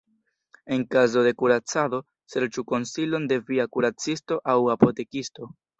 En kazo de kuracado, serĉu konsilon de via kuracisto aŭ apotekisto.